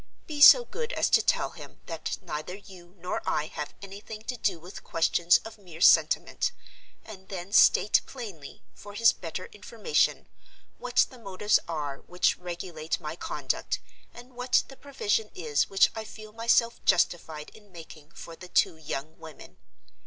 Be so good as to tell him that neither you nor I have anything to do with questions of mere sentiment; and then state plainly, for his better information, what the motives are which regulate my conduct, and what the provision is which I feel myself justified in making for the two young women.